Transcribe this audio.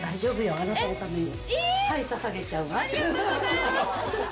ありがとうございます。